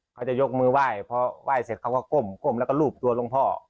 เขาจะยกมือไหว้พอไหว้เสร็จเขาก็ก้มแล้วก็รูปตัวหลวงพ่อ